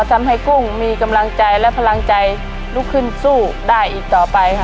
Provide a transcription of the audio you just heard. กุ้งมีกำลังใจและพลังใจลุกขึ้นสู้ได้อีกต่อไปค่ะ